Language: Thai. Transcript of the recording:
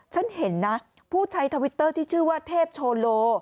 ฉันเห็นนะผู้ใช้ทวิตเตอร์ที่ชื่อว่าเทพโชโล